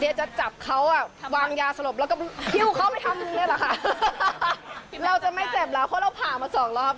เดี๋ยวจะจับเขาวางยาสลบ